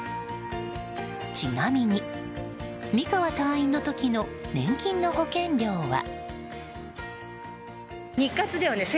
ちなみに、美川隊員の時の年金の保険料は。